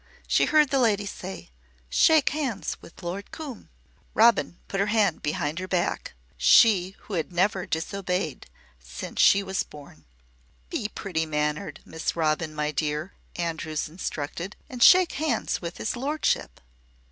She heard the Lady say: "Shake hands with Lord Coombe." Robin put her hand behind her back she who had never disobeyed since she was born! "Be pretty mannered, Miss Robin my dear," Andrews instructed, "and shake hands with his Lordship."